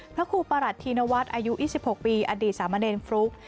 พระครูประหลัดธีนวัฒน์อายุ๒๖ปีอดีตสามเณรฟลุ๊ก